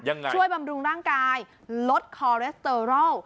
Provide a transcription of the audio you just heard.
ยังไงช่วยบำรุงร่างกายลดคอเรสเตอรอล